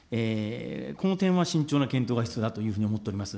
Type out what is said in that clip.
この点は慎重な検討が必要だというふうに思っております。